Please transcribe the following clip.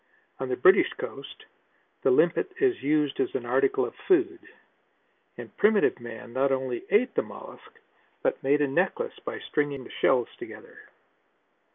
On the British coast the limpet is used as an article of food and primitive man not only ate the mollusks but made a necklace by stringing the shells together.